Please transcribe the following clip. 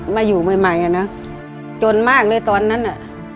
มาอยู่ใหม่อ่ะนะจนมากเลยตอนนั้นน่ะ